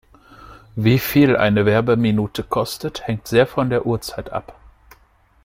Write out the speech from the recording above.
Wie viel eine Werbeminute kostet, hängt sehr von der Uhrzeit ab.